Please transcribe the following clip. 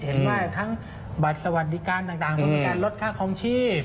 เห็นว่าทั้งบัตรสวัสดิการต่างเพื่อมีการลดค่าคลองชีพ